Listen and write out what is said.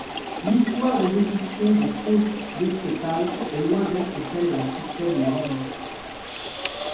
L'histoire des éditions des Fausses Décrétales est loin d'être celle d'un succès des érudits.